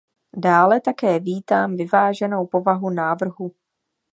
Dále také vítám vyváženou povahu návrhu.